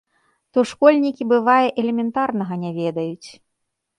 То школьнікі, бывае, элементарнага не ведаюць.